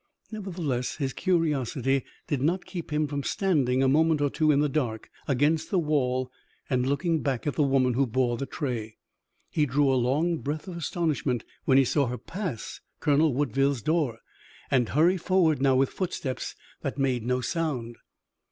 Nevertheless his curiosity did not keep him from standing a moment or two in the dark against the wall and looking back at the woman who bore the tray. He drew a long breath of astonishment when he saw her pass Colonel Woodville's door, and hurry forward now with footsteps that made no sound.